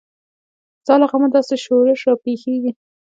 ستا له غمه داسې شورش راپېښیږي.